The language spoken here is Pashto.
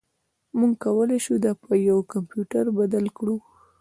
موږ کولی شو دا په یو کمپیوټر بدل کړو